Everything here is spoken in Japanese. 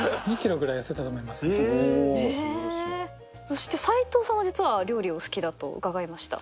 そして斉藤さんは実は料理お好きだと伺いました。